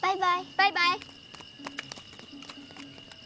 バイバイ。